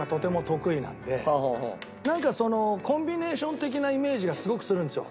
なんかそのコンビネーション的なイメージがすごくするんですよ。